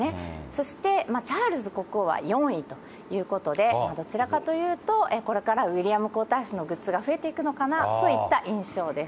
そして、チャールズ国王は４位ということで、どちらかというと、これからウィリアム皇太子のグッズが増えていくのかなといった印象です。